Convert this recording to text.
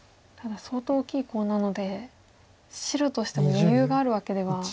ただ相当大きいコウなので白としても余裕があるわけでは。